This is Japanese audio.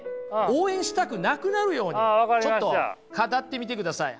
応援したくなくなるようにちょっと語ってみてください。